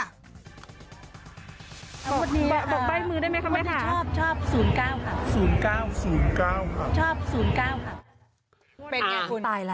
ว่านี้ค่ะชอบ๐๙ค่ะค่ะเราตกใบ้มือได้ไหมครับ